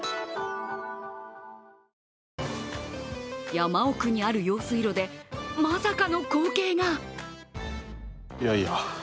山奥にある用水路でまさかの光景が。